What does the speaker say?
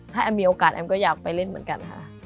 ถ้าแอมมีโอกาสแอมก็อยากไปเล่นเหมือนกันค่ะ